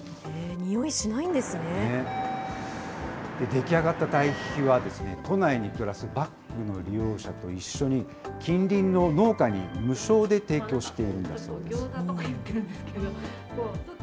出来上がった堆肥は、都内に暮らすバッグの利用者と一緒に、近隣の農家に無償で提供しているんだそうです。